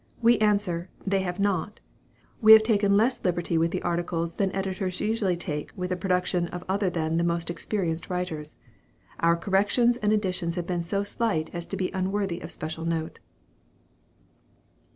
We answer, THEY HAVE NOT. We have taken less liberty with the articles than editors usually take with the productions of other than the most experienced writers. Our corrections and additions have been so slight as to be unworthy of special note."